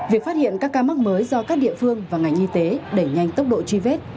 việc phát hiện các ca mắc mới do các địa phương và ngành y tế đẩy nhanh tốc độ truy vết